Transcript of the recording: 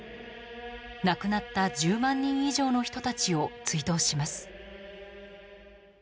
亡くなった１０万人以上の人たちを追悼します。